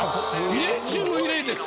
異例中の異例です。